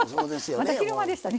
まだ昼間でしたね。